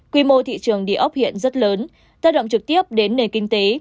quy mô thị trường đề ốc hiện rất lớn tác động trực tiếp đến nền kinh tế